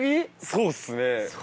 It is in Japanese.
そうですね。